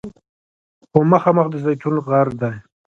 خو مخامخ د زیتون غر دی.